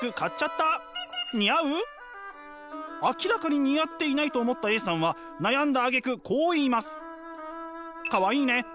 明らかに似合っていないと思ったＡさんは悩んだあげくこう言います。